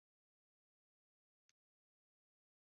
মেয়েটি তার ঘরে বসেই হাসছে, তিনি শুনতে পাচ্ছেন।